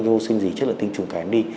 vô sinh gì chất lượng tinh trùng kém đi